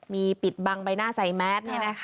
มีปิดบังใบหน้าใส่แมส